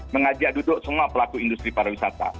mengajak duduk semua pelaku industri pariwisata